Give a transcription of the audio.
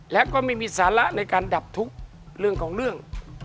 และก็ไม่มีสาระในการดับทุกข์เรื่องของเรื่อง